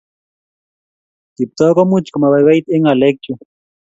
Kiptoo komuch komabaibait eng ngalek chu